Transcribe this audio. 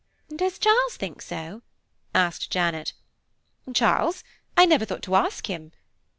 "Does Charles think so?" asked Janet. "Charles? I never thought to ask him.